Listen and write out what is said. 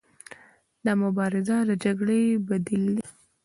دا مبارزه د جګړې بدیل دی.